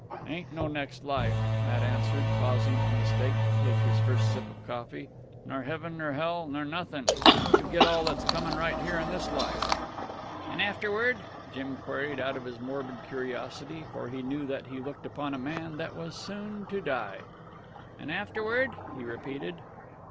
"Ain't no next life," Matt answered, pausing from the steak to take his first sip of coffee. "Nor heaven nor hell, nor nothin'. You get all that's comin' right here in this life." "An' afterward?" Jim queried out of his morbid curiosity, for he knew that he looked upon a man that was soon to die. "An' afterward?" he repeated.